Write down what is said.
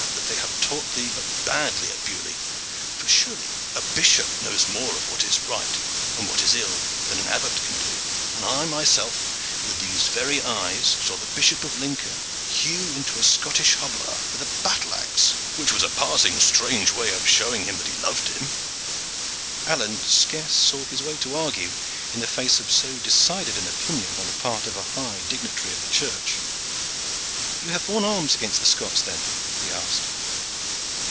that they have taught thee but badly at Beaulieu, for surely a bishop knows more of what is right and what is ill than an abbot can do, and I myself with these very eyes saw the Bishop of Lincoln hew into a Scottish hobeler with a battle axe, which was a passing strange way of showing him that he loved him." Alleyne scarce saw his way to argue in the face of so decided an opinion on the part of a high dignitary of the Church. "You have borne arms against the Scots, then?" he asked.